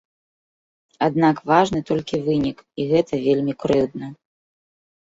Аднак важны толькі вынік, і гэта вельмі крыўдна.